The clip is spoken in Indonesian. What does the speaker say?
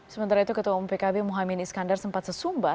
sementara itu ketua umum pkb muhammad iskandar sempat sesumba